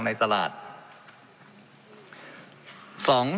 ในการที่จะระบายยาง